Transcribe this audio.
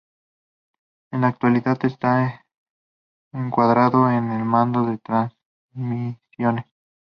En la actualidad está encuadrado en el Mando de Transmisiones.